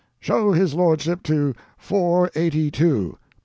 show his lordship to four eighty two!